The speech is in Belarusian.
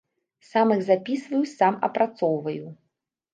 Сам іх запісваю, сам апрацоўваю.